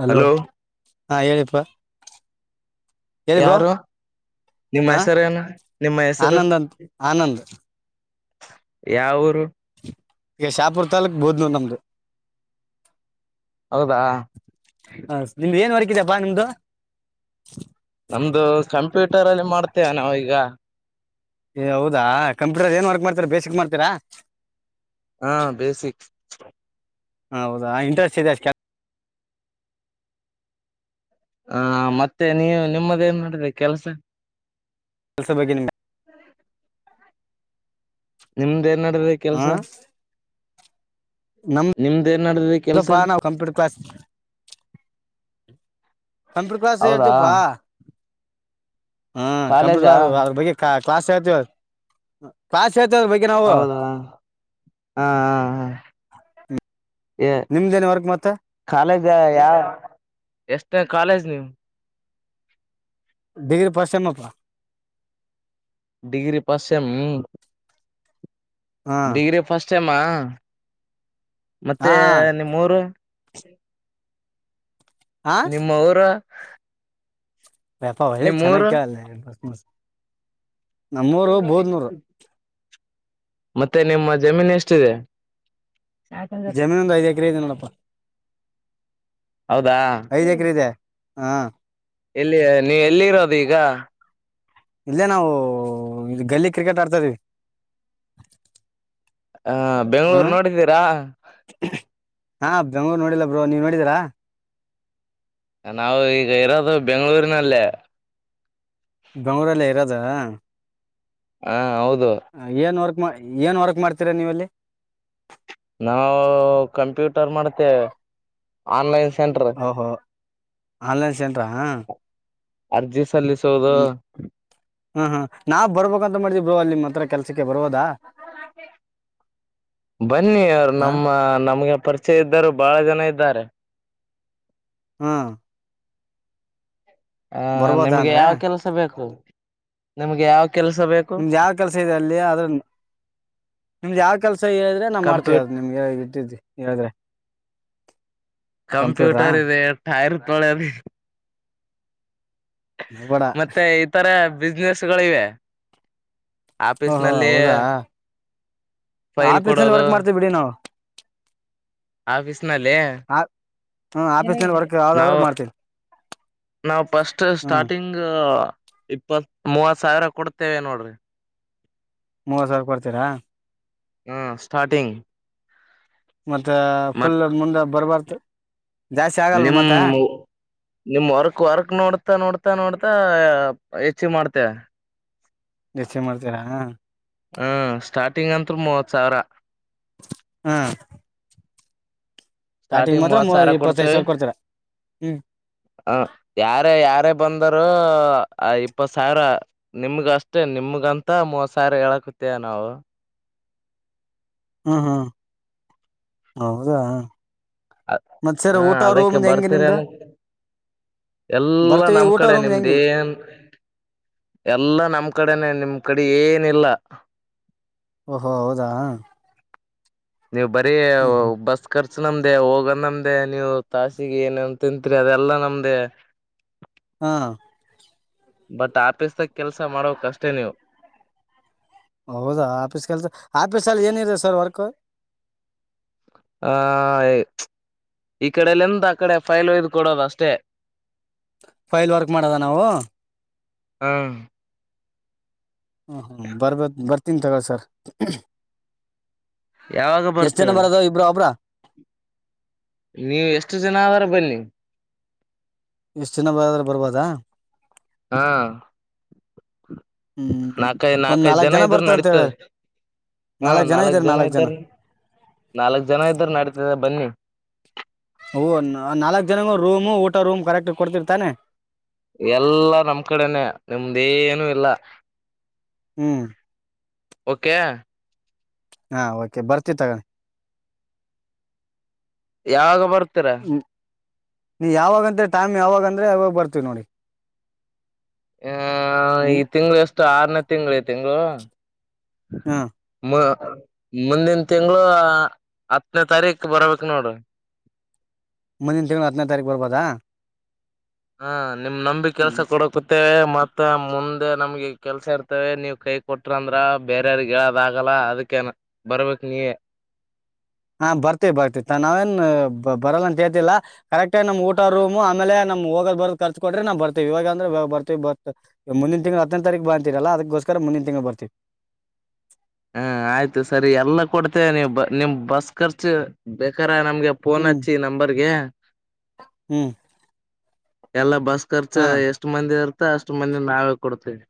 Hello ಹಾ ಹೇಳ್ಯಪ್ಪ ಯಾರು ನಿಮ್ಮ ಹಾ ಹೆಸರ ಏನು ನಿಮ್ಮ ಹೆಸರು ಆನಂದ್ ಅಂತ ಆನಂದ್ ಯ ಊರು ಈಗ ಶಾಪುರ್ ತಾಲಕ್ ಬೋದ್ನ ನಮ್ದು ಹೌದಾ ಹಪ್ಪಾ ನಿಮ್ದು ನಮ್ದು ಕಂಪ್ಯೂಟರಲ್ಲಿ ಮಾಡ್ತೇವೆ ನಾವ ಈಗ ಏ ಹೌದಾ ಕಂಪ್ಯೂಟರ್ ಏನ್ ವರ್ಕ್ ಮಾಡ್ತೀರಾ ಬೇಸಿಕ್ ಮಾಡ್ತೀರಾ ಹಾ ಬೇಸಿಕ್ ಹೌದಾ ಇಂಟ್ರೆಸ್ಟ್ ಇದೆ ಅಷ್ಟ ಕೆಲಸ ಹಾ ಮತ್ತೆ ನೀವು ನಿಮ್ಮದ ಏನ್ ಮಾಡ್ರಿ ಕೆಲ್ಸ ಕೆಲಸ ಬಗ್ಗೆ ನಿ ಹ್ಮ ನಿಮ್ದ್ ಏನ್ ನಡ್ರಿ ಹಾ ಕೆಲ್ಸ ನಿಮ್ದ ಏನ್ಡದ್ರರಿ ಕೆಲ್ಸ ನಮ್ದಪ್ಪಾ ನಾವು ಕಂಪ್ಯೂಟರ್ ಕ್ಲಾಸ್ ಕಂಪ್ಯೂಟರ್ ಕ್ಲಾಸ್ ಹೌದಾ ಎಜುಪಾ ಹ್ಮ ಕಂಪ್ಯೂಟರ್ ಕಾಲೇಜಾ ಅದ್ರ ಬಗ್ಗೆ ಕ್ಲಾಸ್ ಹತಿ್ಾ ಹೌದಾ ಹಾ ಹಾ ಹಾ ನಿಮ್ದೇನ್ ವರ್ಕ್ ಮತ್ತೆ ಕಾಲೇಜ ಯಾವ ಎಷ್ಟು ಕಾಲೇಜ್ ಮುಸ್ಲಿಮ ಡಿಗ್ರ ಪಶೆ ಮಾಪ್ಪ ಡಿಗ್ರಿ ಪಸ್ೆ್ಮ ಹಾ ಡಿಗ್ರಿ ಫಸ್ಟ್ ಟೈಮ ಮತ್ತೆ ಹಾ ನಿಮ್ಮೂರು ಹಾ ನಿಮ್ಮ ಊರ ಬ್ಯಾಪಳ್ಳೆ ಚೆನ್ನಾಗ ನಿಮ್ಮೂರು ಕಲ್ಲ ಮ ಮಸ್ತ್ ನಮ್ಮೂರು ಬಹದ್ನೂರು ಮತ್ತೆ ನಿಮ್ಮ ಜಮೀನ್ ಎಷ್ಟಿದೆ ಜಮೀನುಂದ ಐದುಕ್ರದಡಪ್ಪ ಹೌದಾ ಹಾ ಇಲ್ಲಿ ನೀವು ಎಲ್ಲಿ ಇರೋದು ಈಗ ಇಲ್ಲೇ ನಾವು ಇ ಗಲ್ಲಿ ಕ್ರಿಕೆಟ್ ಆಡ್ತ ಇದವಿ ಹ ಬೆಂಗ್ಳೂರು ನೋಡಿದ್ದೀರಾ ಬೆಂಗೂರು ನೋಡಿಲ್ಲ ಬ್ರೋ ನೀವ್ ನೋಡಿದರಾ ನಾವು ಈಗ ಇರೋದು ಬೆಂಗಳೂರಿನಲ್ಲೇ ಬಂಗೂರಲ್ಲ ಇರೋದ ಹಾ ಹೌದು ಏನ್ ವರ್ಕ್ ಏನ್ ವರ್ಕ್ ಮಾಡ್ತೀರಾ ನೀವೆಲ್ಲಿ ನಾವು ಕಂಪ್ಯೂಟರ್ ಮಾಡ್ತೇವೆ ಆನ್ಲೈನ್ ಸೆಂಟರ್ ಓಹೋ ಆನ್ಲೈನ್ ಸೆಂಟ್ರಾ ಅರ್ಜಿ ಸಲ್ಲಿಸುವುದು ಹ್ಮ್ ಹ್ಮ್ ನಾವ್ ಬರ್ಬೇಕ ಅಂತ ಮಾಡಿದ್ರು ಅ ನಿಮ್ಮ ಹತ್ರ ಕೆಲ್ಕ್ರ್ೋದಾ ಕ ಬನ್ನಿ ಅವರು ಹಾ ನಮ್ಮ ನಮ್ಗೆ ಪರಿಚಯ ಇದ್ದರು ಬಹಳ ಜನ ಇದ್ದಾರೆ ಹ್ಮ ಹ ನಿಮ್ಗೆ ಅಂದ್ರೆ ಯಾವ ಕೆಲ್ಸ ಬೇಕು ನಿಮ್ಗೆ ಯಾವ ಕೆಲಸ ಬೇಕು ನಿಮ್ದ ಯಾವ ಕೆಲ್ಸ ಇದೆ ಅಲ್ಲಿ ಅದ್ರ ನಿಮ್ದ ಯಾವ ಸ ಹೇಳಿದ್ರೆ ನಾ್ ಮಾಡ್ತೇವಿ ಕಂಪ್ಯೂ ಯ ನಿಮ್ಗೆ ಇಟ್ಟಿದಿ ಹೇಳಿದ್ರೆ ಕಂಪ್ಯೂಟ್ರಾ ಕಂಪ್ಯೂಟರ್ ಇದೆ ಟೈರ್ ತೊಳದು ಬೇಡ ಮತ್ತೆ ಈತರ ಬಿಸ್ನೆೆಸ್ಗಳಿವೆ ಆಫೀಸ್ ಓಹೋ ನಲ್ಲಿ ಹೌದಾ ಫೈಲ್ ಆಫೀಸ್ ನಲ್ಲಿ ಕೊಡೋದು ವರ್ಕ್ ಮಾಡ್ತೀವಿ ಬಿಡಿ ನಾವು ಆಫೀಸ್ನಲ್ಲಿ ಆ- ಹ್ಮ್ ಆಫೀಸ್ ನಲ್ಲಿ ವರ್ಕ್ ಯಾವ್ದಾದ್ರು ನಾವು ಮಾಡ್ತೀವಿ ನಾವವು ಫಸ್ಟ್ ಹ್ಮ್ ಸ್ಟಾರ್ಟಿಂಗ್ ಇಪ್ಪತ್ ಮೂವತ್ ಸಾವಿರ ಕೊಡ್ತೇವೆ ನೋಡ್ರಿ ಮೂವತ್ ಸಾವಿರ ಕೊಡ್ತೀರಾ ಹ್ಮ ಸ್ಟಾರ್ಟಿಂಗ್ ಮತ್ತೆ ಮತ್ ಫುಲ್ ಮುಂದೆ ಬರ್ಬಾರ್ದು ಜಾಸ್ತಿ ಆಗಲ್ವ ನಿಮ್ ಮತ್ತ ನಿಮ್ ವರ್ಕ್ ವರ್ಕ್ ನೋಡ್ತಾ ನೋಡ್ತಾ ನೋಡ್ತಾ ಹೆಚ್ಚ ಮಾಡ್ತೇ ಸ ಮಾಡ್ತೀರಾ ಹ್ಮ್ ಸ್ಟಾರ್ಟಿಂಗ್ ಅಂತರು ಮೂವತ್ ಸಾವಿರ ಸ್ಟಾರ್ಟಿಂಗ್ ಮಾತ್ರ ಮತ್ ಮೂ ಸಾರಾ ಇಪ್ಪತ್ತೈದು ಕೊಡ್ತವೆ ಸಾವಿರ ಕೊಡ್ತೀರಾ ಹ್ಮ್ ಹ ಯಾರೇ ಯಾರೇ ಬಂದರು ಆ ಇಪ್ಪತ್ ಸಾವಿರ ನಿಮ್ಗ ಅಷ್ಟೇ ನಿಮಗಂತ ಮೂವತ್ ಸಾವಿರ ಹೇಳಕತೇ ನಾವು ಹ್ಮ್ ಹ್ಮ್ ಹೌದಾ ಅ ಮತ್ ಸರ್ ಹಾ ಊಟ ಅದಕ್ಕೆ ರೂಮ್ದ ಹೆಂಗೆ ಬರ್ತೀರ ನಿಮ್ದು ಎಲ್ಲಾ ಬರ್ತೀವಿ ನಮ್ ಊಟ ಕಡೆ ರೂಮ್ದ ಹೆಂಗಿದೆ ನಿಮ್ದೇನ್ ಎಲ್ಲಾ ನಮ್ ಕಡೆನೆ ನಿಮ ಕಡೆ ಏನಿಲ್ಲ ಓಹೋ ಹೌದಾ ನೀವು ಬರೀ ಹ್ಮ್ ಹ್ಮ್ ಬಸ್ ಕರ್ ನಮ್ದೇ ಹೋಗ ನಮ್ದೇ ನೀವು ತಾಸಿಗೆ ಏನನ್ ತಿತ್ರಿ ಅದೆಲ್ಲಾ ನಮ್ದೇ ಹಾ ಬಟ್ ಆಫೀಸ್ಗ ಕೆಲ್ಸ ಮಾಡೋಕ್ಷ್ಟೇ ನೀವು ಹೌದಾ ಆಫೀಸ್ ಕೆಲ್ಸ ಆಫೀಸ್ ಅಲ್ಲಿ ಏನಿದೆ ಸರ್ ವರ್ಕ್ ಆ ಈ ಕಡೆಲೆಂದ ಆ ಕಡೆ ಫೈಲ್ ಒಯ್ದು ಕೊಡೋದ ಅಷ್ಟೇ ಫೈಲ್ ವರ್ಕ್ ಮಾಡದ ನಾವು ಹ ಹ್ಞ ಹ್ಞೂ ಬರ್ಬೋದುು ಬರ್ತೀನಿ ತಗೊಳ ಸರ್ ಯಾವಾಗ ಎಷ್ಟ್ ಬರ್ತೀರ ಜನ ಬರೋದ ಇಬ್ರು ಒಬ್ರ ನೀವು ಎಷ್ಟು ಜನ ಆದಾರ ಬನ್ನಿ ಎಷ್ಟು ಚಿನ ಬರಾದ್ರೆ ಬರ್ಬೋದಾ ಹಾ ಹ್ಮ್ ನಾಕೈ ಒಂದ್ ನಾಕೈದು ನಾಲ್ಕ್ ಜನ ಇದರು ಬರ್ತಾವ ಅಂತ ಹೇಳ ನಡತಾರೆ ಹಾ ನಾಲ್ಕ್ ಜನ ಇದ್ದಾರ ನಾಲ್ಕ್ ಜನ ಇದ್ದಾರ ನಡತ ಬನ್ನಿ ಹಓ ನಾಲ್ಕು ಜನಗ ರೂಮು ಊಟ ರೂಮ್ ಕರೆಕ್ಟ್ ಕೊಡ್ತಿರ್ತಾನೆ ಎಲ್ಲಾ ನಮ್ ಕಡೆನೆ ನಿಮ್ದೇನುೂ ಇಲ್ಲ ಹ್ಮ್ ಓಕೆ ಹಾ ಓಕೆ ಬರ್ತಿ ತಗಣಿ ಯಾವಾಗ ಬರ್ತೀರ ನೀ ಯಾವಾಗಂತ ಟೈಮ್ ಯಾವಾಗಂದ್ರೆ ಯವಾಗ ಬರ್ತೀವ ನೋಡಿ ಹ ಈ ಹ್ಮ್ ತಿಂಗಳ ಎಷ್ಟು ಆರನೇ ತಿಂಳ ತಿಂಗಗಳು ಹಾ ಮ ಮುಂದಿನ ತಿಂಗಳು ಹತ್ತನೇ ತಾರೀಕ ಬರ್ಬೇಕು ನೋಡು ಮುಂದಿನ ತಿಂಗಳು ಹತ್ತನೇ ತಾರೀಕು ಬರ್ಬೋದಾ ಹಾ ನಿಮ್ ನಂಬಿ ಕೆಲ್ಸ ಕೊಡಕ ಮತ್ತ ಮುಂದೆ ನಮ್ಗೆ ಕೆಲ್ಸ ಇರ್ತೇವೆ ನೀವ್ ಕೈ ಕೊಟ್ರಂದ್ರ ಬೇರೆಯವ್ರಿಗೆ ಹೇಳದ ಆಗಲ್ಲ ಹಾ ಅದಕ್ಕೇನ ಬರ್ಬೇಕ ನೀವ [inaudible] ಹಾ ಬರ್ತಿವಿ ಬರ್ತಿ ನಾವೇನ್ ಬರಲ್ಲ ಅಂತ ಹೇಳ್ತಿಲ್ಲಾ ಕರೆಕ್ಟ ನಮ್ ಊಟ ರೂಮ್ ಆಮೇಲೆ ನಮ ಹೋಗದ ಬ ರ್ ಕೊರ ನಾ್ರ್ತಿವಾಗ ಅ್ರ ಬರ್ ಮುಿನ ತಿಂಳ ಹನೇರೀ ಬಂತೀರಲ್ಲ ಅದಕ್ಕೋಸ್ಕರ ಮುಂದಿನ ತಿಂಗಳು ಬರ್ತೀವಿ ಹ್ಮ ಆಯ್ತು ಸರಿ ಎಲ್ಲಾ ಕೊಡ್ತೇವೆ ನೀವು ನಿಮ್ ಬಸ್ ಖರ್ಚು ಬೇಕಾರ ನಮ್ಗೆ ಫೋನ್ ಹ್ಮ್ ಹಚ್ಚಿ ನಂಬರ್ಗೆ ಹ್ಮ್ ಎಲ್ಲ ಬಸ್ ಖರ್ಚ ಹಾ ಎಷ್ಟ್ ಮಂದಿ ಇರ್ತ ಅಷ್ಟ್ ಮಂದಿ ನಾವೇ ಕೊಡ್ತೀವಿ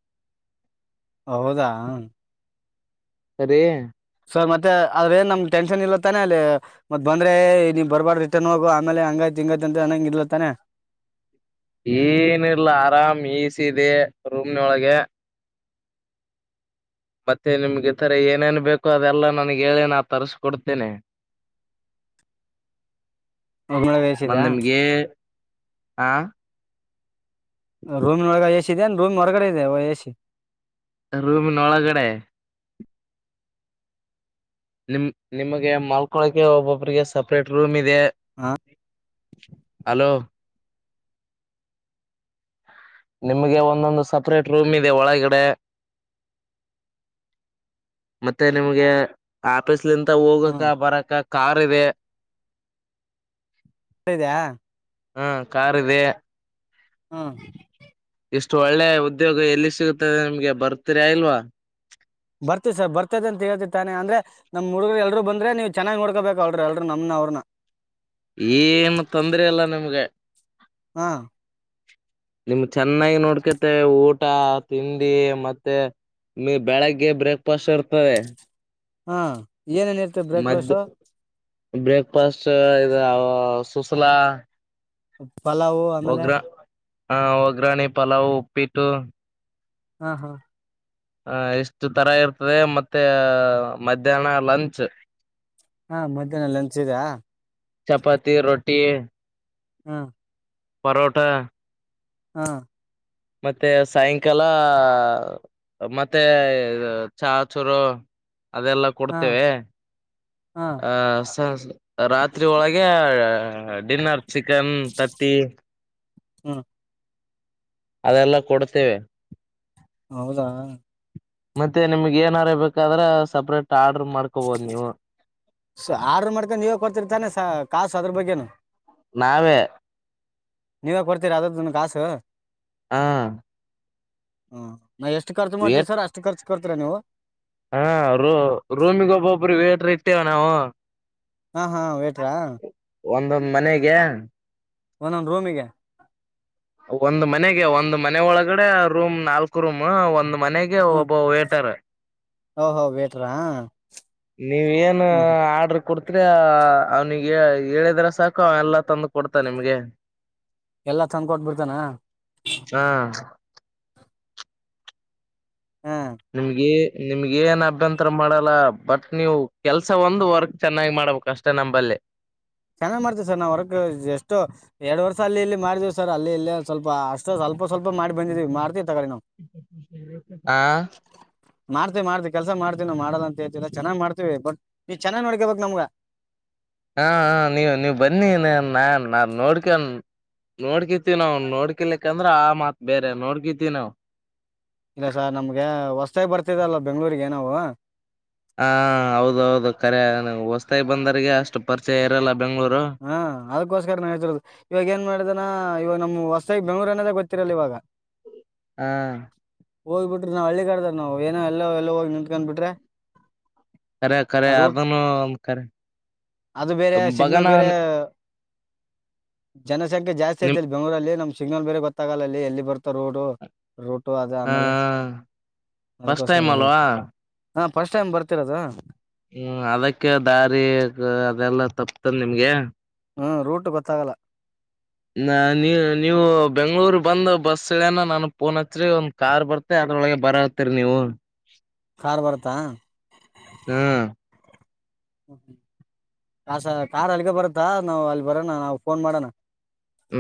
ಹೌದಾ ಸರಿ ಸರ್ ಮತ್ತೆ ಅದ್ರ ಏನ್ ನಮ್ ಟೆನ್ ಇಲ್ಲತ್ತತಾನೆ ಅಲ್ಲಿ ಮತ್ತ ಬಂದ್ರೆ ನೀವು ಬರ್ಬಾರ್ದ ರಿಟರ್ನ್ ಹೋಗು ಆಮೇಲೆ ಹಂಗೈತಿ ತಿಂಗಂತ ಚನ್ನಂಗ ಇರ್ಲತ್ತಾನೆ ಏನ ಇಲ್ಲ ಆರಾಮ್ ಈ ಸಿ ಇದೆ ರೂಮ್ನ ಒಳಗೆ ಮತ್ತೆ ನಿಮ್ಗೆ ಈ ತರ ಏನೇನ್ ಬೇಕು ಅದೆಲ್ಲಾ ನನ್ಗ್ ಹೇಳಿ ನ ತರ್ರಿಸಕೊಡ್ತೇನೆ ಹಳ ಮತ್ ವಷಿದಾ ನಿಮ್ಗೆ ಆ ರೂಮ್ನ ಒಳಗ ಎ ಸಿ ಇದೆ ಅ ರೂಮ್ ಹೊರಗಡೆ ಇದೆ ಎ ಸಿ ರೂಮ್ನ ಒಳಗಡೆ ನಿಮ ನಿಮಗೆ ಮಾಲ್ಕೊಳಕ್ಕೆ ಒಬ್ಬೊಬ್ರಿಗೆ ಸಪ್ರೇಟ್ ರೂಮ್ ಇ ಹಾ ಹಲೋ ನಿಮ್ಗೆ ಒಂದೊಂದು ಸಪ್ರೇಟ್ ರೂಮ್ ಇದೆ ಒಳಗಡೆ ಮತ್ತೆ ನಿಮ್ಗೆ ಆಪೀಸ್ [unintelligible] ಹೋಗಕ ಬರಕ ಕಾರ್ ಇದೆ ಇದ್ಯಾ ಹ್ಮ ಕಾರದೆ ಹ್ಮ ಎಷ್ಟು ಒಳ್ಳೆ ಉದ್ಯೋಗ ಎಲ್ಲಿ ಸಿಗುತ್ತದೆ ನಿಮ್ಗೆ ಬರ್ತೀರ ಇಲ್ವಾ ಬರ್ತಿತಿ ಸರ್ ಬರ್ತದ ಅಂತ ಹೇಳ್ತಿ ತಾನೆ ಅಂದ್ರೆಮಮ್ಮ ಹುಡುಗ್ರು ಎಲ್ರು ಬಂದ್ರೆ ನೀವು ಚೆನ್ನಾಗಿ ನೋಡ್ಕೋಬೇಕು ಅವಲ್ರು ಎಲ್ರು ನಮ್ನ ಅವ್ರನ್ನ [inaudible] ಏನು ತಂದ್ರ ಅಲ್ಲ ನಿಮ್ಗೆ ಹಾ ನಿಮ್ ಚೆನ್ನಾಗಿ ನೋಡ್ಕತೆ ಊಟ ತಿಂಡಿ ಮತ್ತೆ ನೀ ಬೆಳಗ್ಗೆ ಬ್ರೇಕ್ಫಾಸ್ಟ್ ಇರ್ತದೆ ಹಾ ಏನೇನ್ ಇರ್ತ ಬ್ರೇಕ್ಫಾಸ್ಟ್ ಮಧ್ಯ ಬ್ರೇಕ್ಫಾಸ್ಟ್ ಇ ಸುಸಲಾ ಪಲಾವು ಆಮೇಲೆ ಹ ಒಗ್ರಾಣೆ ಪಲಾವ್ ಉಪ್ಪಿಟ್ಟು ಹಾ ಹಾ ಹ ಎಷ್ಟು ತರ ಇರ್ತದೆ ಮತ್ತೆ ಮಧ್ಯಾಹ್ನ ಲಂಚ್ ಹಾ ಮಧ್ಯಾಹ್ನ ಲಂಚ್ ಇದಾ ಚಪಾತಿ ರೋಟಿ ಹ್ಮ ಪರೋಠಾ ಹಾ ಮತ್ತೆ ಸಾಯಂಕಾಲ ಮತ್ತೆ ಚಹ ಚೂರು ಅದೆಲ್ಲ ಹಾ ಕೊಡ್ತೇವೆ ಹಾ ಆ ಸ ರಾತ್ರಿ ಒಳಗೆ ಡಿನ್ನರ್ ಚಿಕನ್ ತತ್ತಿ ಹ್ಮ ಹ್ಮ ಅದೆಲ್ಲ ಕೊಡ್ತೇವೆ ಹೌದಾ ಮತ್ತೆ ನಿಮ್ಗ್ ಏನರಬೇಕಾದ್ರೆ ಸಪ್ರೇಟ್ ಆರ್ಡರ್ ಮಾಡ್ಕೋಬೋದು ನೀವು ಸ ಆರ್ಡರು ಮಾಡ್ಕೊಂಡು ನೀವೇ ಕೊಡ್ತಿರ್ತಾನೆ ಸ ಕಾಸು ಅದ್ರ ಬಗ್ಗೆನು ನಾವೇ ನೀವೇ ಕೊಡ್ತೀರಾ ಅದರದುನು ಕಾಸು. ಹಾ ಹ ನಾ ಎಷ್ಟು ಖರ್ಚು ಮಾಡ್ತೀವಿ ಸರ್ ಅಷ್ಟು ಖರ್ಚು ಕೊಡ್ತೀರಾ ನೀವು. ಹಾ ರೂ ರೂಮಿಗ ಒಬ್ಬೊಬ್ರ ವೇಟ್ರ ಇಟ್ಟೆವಿ ನಾವು. ಹಾಂ ಹಾಂ ವೇಟ್ರಾ ಒಂದೊಂದ್ ಮನೆಗೆ ಒಂದೊಂದು ರೂಮಿಗೆ ಒಂದ್ ಮನೆಗೆ ಒಂದ್ ಮನೆ ಒಳಗಡೆ ರೂಮ್ ನಾಲ್ಕು ರೂಮ್ ಒಂದ್ ಮನೆಗೆ ಒಬ್ಬ ವೇಟರ. ಹೋ ಹೋ ವೆಟ್ರಾ. ನೀವ ಏನು ಆರ್ಡ್ರ ಕುಡ್ತಿರ ಅವ್ನಿಗೆ ಹೇಳಿದ್ರ ಸಾಕು ಎಲ್ಲಾ ತಂದು ಕೊಡ್ತ ನಿಮ್ಗೆ ಎಲ್ಲಾ ತಂದಕೊಟ್ ಬಿಡ್ತಾನ. ಹ ಹಾಂ ನಿಮ್ಗೆ ನಿಮ್ಗೆ ಏನ್ ಅಭ್ಯಂತರ ಮಾಡಲ್ಲ ಬಟ್ ನೀವ್ ಕೆಲ್ಸ ಒಂದು ವರ್ಕ್ ಚೆನ್ನಾಗಿ ಮಾಡ್ಬೇಕ ಅಷ್ಟೇ ನಂಬಲ್ಲಿ. ಚೆನ್ನಾಗ್ ಮಾಡ್ತೇವಿ ಸರ್ ನಾವು ವರ್ಕ್ ಎಷ್ಟು ಎರಡು ವರ್ಷ ಅಲ್ಲಿ ಇಲ್ಲಿ ಮಾಡಿದೇವಿ ಸರ್ ಅಲ್ಲಿ ಇಲ್ಲಿ. ಸ್ವಲ್ಪ ಅಷ್ಟ ಸ್ವಲ್ಪ ಸ್ವಲ್ಪ ಮಾಡಿ ಬಂದಿದೀವಿ ಮಾಡ್ತೀವಿ ತಗೊಳ್ಳಿ ನಾವು. ಹ ಮಾಡ್ತಿವಿ ಮಾಡ್ತಿ ಕೆಲ್ಸ ಮಾಡ್ತವಿ ಮಾಡಲ್ಲ ಅಂತ ಹೇಳತಿಲ್ಲಾ ಚೆನ್ನಾಗಿ ಮಾಡ್ತತಿವಿ ಬಟ್ ನೀ ಚೆನ್ನಾಗ್ ನೋಡ್ಕೇಬೇಕ ನಮ್ಗ. [inaudible] ಹಾ ಹ ನೀವ್ ನೀವು ಬನ್ನಿ ನಾ ನಾನ್ ನೋಡ್ಕೊಂಡ ನೋಡ್ಕತ್ತಿವಿ ನಾವು ನೋಡ್ಕೋಲಿಕ್ಕಂದ್ರ ಆ ಮಾತ್ ಬೇರೆ ನೋಡ್ಕತಿವಿ ನಾವ್. ಇಲ್ಲ ಸರ್ ನಮ್ಗೆ ಹೊಸ್ತಾಗಿ ಬರ್ತಿದಲ್ಲ ಬೆಂಗ್ಗಳೂರಿಗೆ ನಾವು ಹಾ ಹೌದೌದು ಕರೆ ಅಂದ್ರ ಹೊಸ್ತಾಗಿ ಬಂದವರಿಗೆ ಅಷ್ಟು ಪರಿಚಯ ಇರೋಲ್ಲ. ಹಾ ಅದಕೋಸ್ಕರ ನಾ ಹೆಳ್ತಿರೋದು ಇವಾಗ ಏನ್ ಮಾಡಿದನ ಇವಾಗ ನಮ್ಮ್ ಹೊ ಸೈಬ್ ಬೆಂಗಳೂರ ಅನ್ನೋದೇ ಗೊತ್ತಿರಲ್ಲ ಇವಾಗ. ಹ್ಮ್ ಹೋಗ ಬಿಟ್ರ ನಾವ್ ಹಳ್ಳಿ ಗಡದನಾವ್ ಏನ ಎಲ್ಲ ಎಲ್ಲ ಹೋಗಿ ನಿಂತ್ಕೊಂಡ್ ಬಿಟ್ರೆ. ಖರೆ ಖರೆ ಆ ರೂಟ್ ಅದನ್ನು ಒಂದ ಕರೆ ಅಂಬಕ್ ಇನ್ನು ಬೇರೆ ಜನಸಂಖ್ಯೆ ಜಾಸ್ತಿ ನಿಮ್ ಐತಲ್ಲಿ ಬೆಂಗಳೂರಲ್ಲಿ. ಇಲ್ಲಿ ನಮ್ ಸಿಗ್ನಲ್ ಬೇರೆ ಗೊತ್ತಾಗಲ್ಲ ಅಲ್ಲಿ ಎಲ್ಲಿ ಬರ್ತ ರೋಡು. ರೂಟು ಅದ ಹ ಆಮೇಲೆ ಫಸ್ಟ್ ಅದಕ್ಕೋಸ್ಕರ ಟೈಮ್ ಹೇಳಿರಿ. ಅಲ್ವಾ ಹಾ ಫಸ್ಟ್ ಟೈಮ್ ಬರ್ತಿರದ. ಹ್ಮ್ ತಪ್ತನ್ ನಿಮ್ಗೆ ಹ್ಮ ರೂಟ್ ಗೊತ್ತಾಗಲ್ಲ. ನ ನೀ ನೀವು ಬೆಂಗಳೂರು ಬಂದ ಬಸ್ ಇಲ್ಯಾನ ನನಗ ಪೋನ್ ಹಚ್ಚರಿ ಒಂದ್ ಕಾರ್ ಬರ್ತೆ ಅದ್ರೊಳಗೆ ಬರತಿರ್ ನೀವು. ಕಾರ್ ಬರ್ತಾ. ಹ್ಮ್ ಹ ಸರ್ ಕಾರ್ ಅಲ್ಲಿಗೆ ಬರತ್ತಾ ನಾವು ಅಲ್ಲಿ ಬರೋಣ ನಾವು ಫೋನ್ ಮಾಡೋಣ.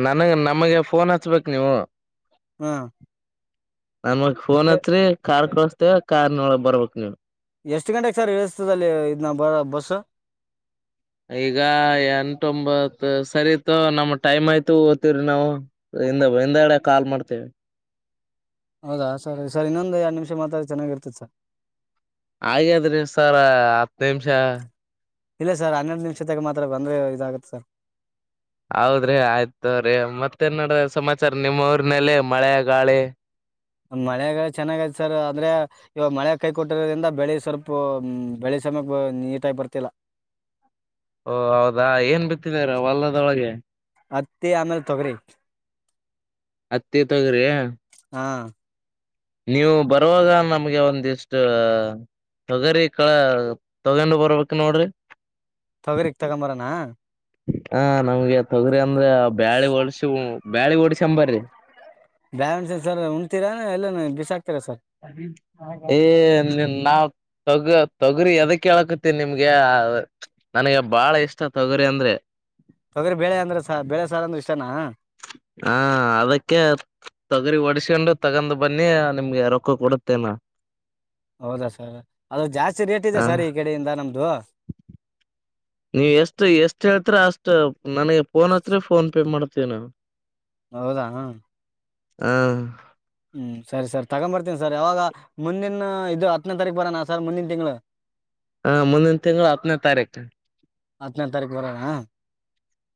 ನನಗ್ ನಮಗೆ ಫೋನ್ ಹಚ್ಬೇಕು ನೀವು. ಹ್ಮ ನಮಗ್ ಫೋನ್ ಹಚ್ರಿ ಕಾರ್ ಕಳಸ್ತೀವಿ ಕಾರ್ ನೊಳಗ್ ಬರ್ಬಕ್ ನೀವ್. ಎಷ್ಟು ಗಂಟೆಗ ಸರ್ ಇಳಸ್ತದಲ್ಲಿ ಇದ್ ನ ಬ ಬಸ್. ಈಗ ಎಂಟೊಂಬತ್ ಸರಿತೂ ನಮ್ ಟೈಮ್ ಆಯ್ತು ಓದ್ತಿವ್ರಿ ನಾವು. ಹಿಂದ ಹಿಂದಗಡೆ ಕಾಲ್ ಮಾಡ್ತೇವೆ. ಹೌದಾ ಸರಿ ಸರ್ ಇನ್ನೊಂದು ಎರಡು ನಿಮಿಷ ಮಾತಾಡಿ ಚೆನ್ನಾಗಿರ್ತದ್ ಸರ್. ಆಗೇದ್ರಿ ಸರ ಹತ್ ನಿಂಮ್ಷ. ಇಲ್ಲ ಸರ್ ಹನ್ನೊಂದ್ ನಿಮಿಷದಾಗ ಮಾತ್ರ ಬಂದ್ರೆ ಇದಾಗುತ್ತೆ ಸರ್. ಹೌದ್ರಿ ಆಯ್ತೋರಿ ಮತ್ತ ಏನ್ ಡ ಸಮಾಚಾರ ನಿಮ್ಮ ಊರ್ನಲ್ಲಿ ಮಳೆ ಗಾಳಿ ಮಳೆಗಾ ಚೆನ್ನಾಗೈತ್ ಸರ್ ಅಂದ್ರೆ ಇವಾಗ್ ಮಳೆ ಕೈ ಕೊಟ್ಟಿರೋದ್ರಿಂದ ಬೆಳೆ ಸ್ವಲ್ಪ ಬೆಳೆ ಸಮಯಕ್ಕೆ ನೀಟಾಗ್ ಬರ್ತಿಲ್ಲ. [inaudible] ಓ ಹೌದಾ ಏನ್ ಬಿತ್ತಿದಾರ ವಲ್ಲದೊಳಗೆ. ಹತ್ತಿ ಆಮೇಲೆ ತೊಗರಿ ಹತ್ತಿ ತೋಗ್ರಿ ಹಾ ನೀವು ಬರುವಾಗ ನಮ್ಗೆ ಒಂದಿಷ್ಟು. ತೊಗರಿ ಕಳ್ ತಗೊಂಡು ಬರ್ಬೇಕು ನೋಡ್ರಿ. ತೊಗರಿಕ್ ತಗೊಂಬರಾನ ಹ ನಮ್ಗೆ ತೊಗರಿ ಅಂದ್ರ ಬ್ಯಾಳಿ ಓಡ್ಸ ಬ್ಯಾಳಿ ಓಡ್ಸಂಬರಿ. ಬ್ಯಳ್ವಡ್ಸಿ ಸರ್ ಉಣ್ತೀರಾ ಎಲ್ಲನ ಬಿಸಾಕ್ - ಏ ನಾವ್ - - ತೊಗ ತೊಗರಿ ಎದಕ್ ಕೇಳಕತಿನ್ ನಿಮ್ಗೆ ನನ್ಗೆ ಬಾಳ ಇಷ್ಟ ತೊಗರಿ ಅಂದ್ರೆ. ತೊಗರಿ ಬೇಳೆ ಅಂದ್ರೆ ಸ ಬೇಳೆ ಸಾರ್ ಅಂದ್ರೆ ಇಷ್ಟನಾ ಹ ಅದಕ್ಕೆ ತೊಗರಿ ಹೊಸ್ಕೊಂಡು ತಗೊಂಡ್ ಬನ್ನಿ ನಿಮ್ಗೆ ರೊಕ್ಕ ಕೊಡುತ್ತೇನಾ. ಹೌದಾ ಸರ್ ಅದು ಜಾಸ್ತಿ ರೇಟ್ ಇದೆ ಹ ಸರ್ ಈ ಕಡೆಯಿಂದ ನಮ್ದು ನೀವು ಎಷ್ಟು ಎಷ್ಟು ಹೇಳ್ತೀರ ಅಷ್ಟು ನನಗೆ ಪೋನ್ ಹಚ್ಚರಿ ಪೋನ್ ಪೇ ಮಾಡ್ತೇನಿ ನಾವು ಹೌದಾ ಹಾ ಸರಿ ಸರ್ ತಗೊಂಬರ್ತೀನಿ ಸರ್ ಯಾವಾಗ ಮುಂದಿನ್ ಇದು ಹತ್ತನೇ ತಾರೀಕು ಬರೋನಾ ಸರ್ ಮುಂದಿನ ತಿಂಗಳು. ಹಾ ಮುಂದಿನ ತಿಂಗಳು ಹತ್ತನೇ ತಾರೀಕು. ಹತ್ತೇನೆ ತಾರೀಕು ಬರಣ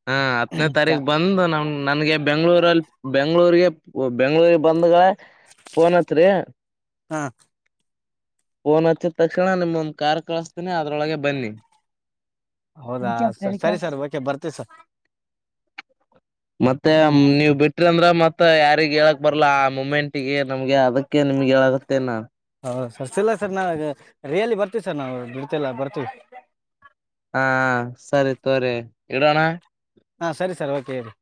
ಹ ಹತ್ತನೇ ತಾರೀಕು ಬಂದು ನಮ ನನ್ಗೆ ಬೆಂಗಳೂರಲ್ಲಿ ಬೆಂಗಳೂರಿಗೆ ಓ ಬೆಂಗಳೂರಿಗೆ ಬಂದಗ ಪೋನ್ ಹಚ್ಚರಿ ಹಾ ಪೋನ್ ಹಚ್ಚಿದ ತಕ್ಷಣ ನಿಮಗೊಂದ್ ಕಾರ್ ಕಳಸ್ತೀನಿ ಅದ್ರೊಳಗೆ ಬನ್ನಿ. ಹೌದಾ ಸ ಸರಿ ಸರ್ ಓಕೆ ಬರ್ತೀವಿ ಸರ್ ಮತ್ತೆ ಹ್ಞೂ ನೀವ್ ಬಿಟ್ರಾ ಅಂದ್ರೆ ಮತ್ತೆ ಯಾರಿಗ್ ಹೇಳಕ್ ಬರ್ಲಾ ಮುಮೆಂಟಿಗೆ ನಮ್ಗೆ ಅದಕ್ಕೆ ನಿಮ್ಗೆ ಹೇಳಗತ್ತಿನ್ ನಾ ಸರ್ತಿಲ್ಲ ಸರ್ ನಾವ ಈಗ ರಿಯಾಲಿ ಬರ್ತೀವಿ ಸರ್ ನಾವು ದುಡತೆಲ್ಲ ಬರ್ತೀವಿ ಹಾ ಸರಿ ತೋರಿ ಇಡೋಣ. ಹಾ ಸರಿ ಸರ್ ಓಕೆ ಇಡ್ರೀ